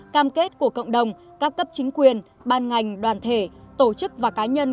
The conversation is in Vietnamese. cam kết của cộng đồng các cấp chính quyền ban ngành đoàn thể tổ chức và cá nhân